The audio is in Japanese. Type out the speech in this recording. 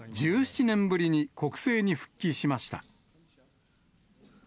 １７年ぶりに国政に復帰しました。